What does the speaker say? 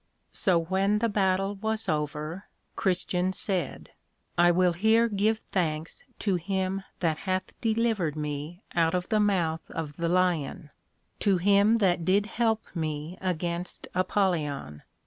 So when the Battle was over, Christian said, I will here give thanks to him that hath delivered me out of the mouth of the Lion, to him that did help me against Apollyon.